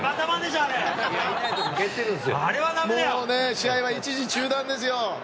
試合は一時中断ですよ。